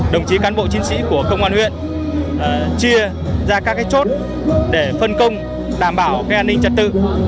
đồng chí cán bộ chiến sĩ của công an huyện chia ra các chốt để phân công đảm bảo an ninh trật tự